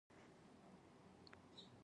د زړښت نښې اوس کرار کرار احساسوم.